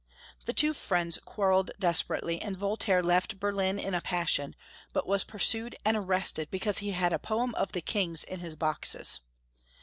The two friends quarreled desperately, and Voltaire left Berlin in a passion, but was pursued and arrested because he had a poem of the King's in his boxes.